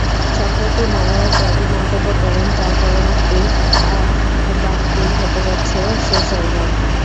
সম্প্রতি Mariah Carey মন্তব্য করেন, তাঁর পরবর্তী অ্যালবামটিই হতে যাচ্ছে শেষ অ্যালবাম।